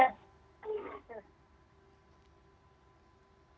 terima kasih pak solihin